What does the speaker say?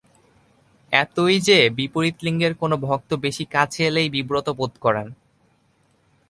এতই যে, বিপরীত লিঙ্গের কোনো ভক্ত বেশি কাছে এলেই বিব্রত বোধ করেন।